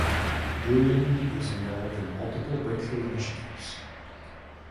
Druyan is involved in multiple Breakthrough Initiatives.